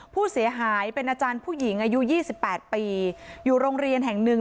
ผู้เสียหายเป็นอาจารย์ผู้หญิงอายุ๒๘ปีอยู่โรงเรียนแห่งหนึ่ง